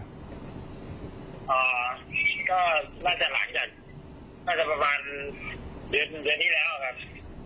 อ๋อก็น่าจะหลังจากประมาณเดือนที่แล้วครับ